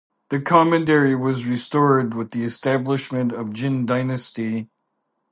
The commandery was restored with the establishment of Jin dynasty.